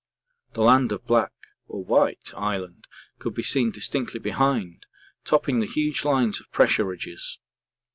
The land of Black (or White?) Island could be seen distinctly behind, topping the huge lines of pressure ridges.